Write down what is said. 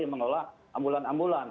yang mengelola ambulan ambulan